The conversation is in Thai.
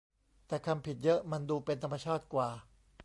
แต่คำผิดเยอะมันดูเป็นธรรมชาติกว่า